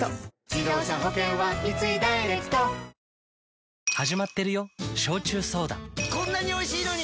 メロメロこんなにおいしいのに。